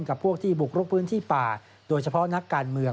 กับพวกที่บุกลุกพื้นที่ป่าโดยเฉพาะนักการเมือง